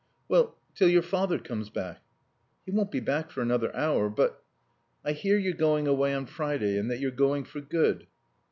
"Well till your father comes back?" "He won't be back for another hour. But " "I hear you're going away on Friday; and that you're going for good."